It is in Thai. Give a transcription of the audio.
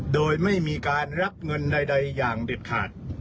โดยไม่มีการรับเงินใดอย่างเด็ดขาด